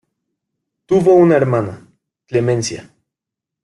Tuvo una hermana, Clemencia.